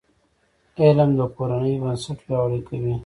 علم د کورنۍ بنسټ پیاوړی کوي.